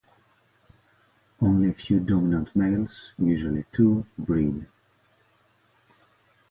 Only a few dominant males, usually two, breed.